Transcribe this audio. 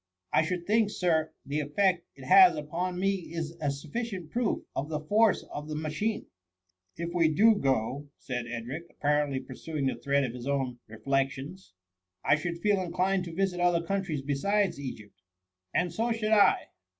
I should think. Sir, the effect it has had upon me is a sufficient proof of the force of the ma* chine.*" " If we do go, said Edric, apparently pur suing the thread of his own reflections, " I should feel inclined to visit other countries besides Egypt.^' " And so should I.